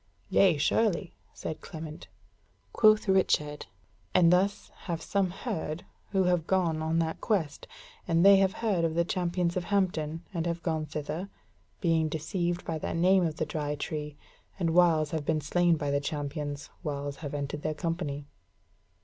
"Yea, surely," said Clement. Quoth Richard: "And thus have some heard, who have gone on that quest, and they have heard of the Champions of Hampton, and have gone thither, being deceived by that name of the Dry Tree, and whiles have been slain by the champions, whiles have entered their company."